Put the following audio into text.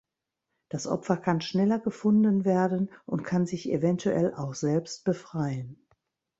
Das Opfer kann schneller gefunden werden und kann sich eventuell auch selbst befreien.